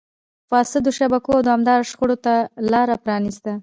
فاسدو شبکو او دوامداره شخړو ته لار پرانیسته.